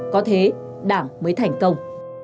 có thế đảng mới thành công